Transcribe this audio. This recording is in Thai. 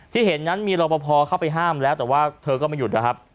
ที่เห็นนั้นมีรอปภเข้าไปห้ามแล้วแต่ว่าเธอก็ไม่หยุดนะครับ